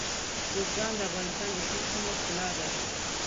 بزګان د افغانستان د شنو سیمو ښکلا ده.